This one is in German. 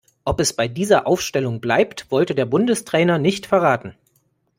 Ob es bei dieser Aufstellung bleibt, wollte der Bundestrainer nicht verraten.